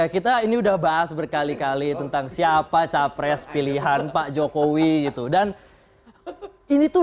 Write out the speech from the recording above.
kita ini udah bahas berkali kali tentang siapa capres pilihan pak jokowi gitu dan ini tuh